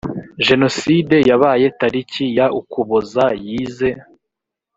jenoside yabaye tariki ya ukuboza yize